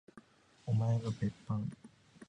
おまえが別班？